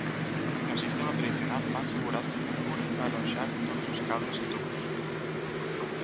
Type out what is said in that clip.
No sistema tradicional fanse buratos nos muros para aloxar todos os cables e tubos.